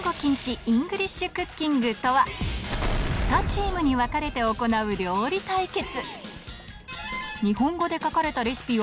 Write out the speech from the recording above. ２チームに分かれて行う最近。